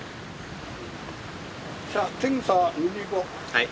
はい。